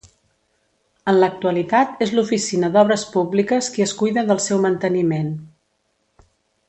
En l'actualitat és l'Oficina d'Obres Públiques qui es cuida del seu manteniment.